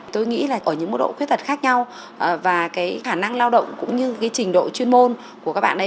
tôi nghĩ là ở những mức độ khuyết tật khác nhau và cái khả năng lao động cũng như cái trình độ chuyên môn của các bạn ấy